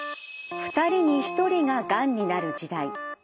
２人に１人ががんになる時代。